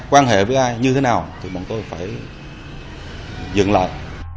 quan hệ với ai như thế nào thì bọn tôi phải dựng lại